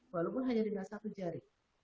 walaupun hanya tinggal satu jari